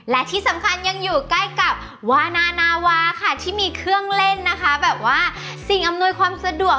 และที่สำคัญยังอยู่ใกล้กับวานานาวาค่ะที่มีเครื่องเล่นนะคะแบบว่าสิ่งอำนวยความสะดวก